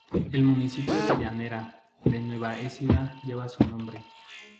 El municipio de Llanera de Nueva Écija lleva su nombre.